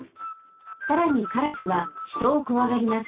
さらにカラスはひとをこわがります。